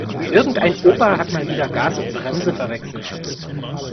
Irgendein Opa hat mal wieder Gas und Bremse verwechselt.